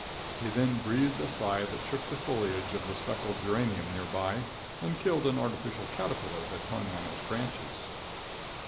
He then breathed a sigh that shook the foilage of the speckled geranium near by, and killed an artificial caterpillar that hung on its branches.